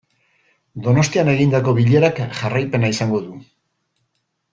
Donostian egindako bilerak jarraipena izango du.